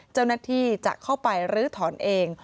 เจ้าหน้าที่จะเข้าไปลื้อถอนเอง